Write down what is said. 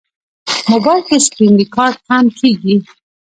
موبایل کې سکرینریکارډ هم کېږي.